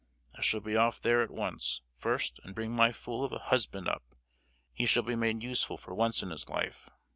I shall be off there at once, first, and bring my fool of a husband up: he shall be made useful for once in his life!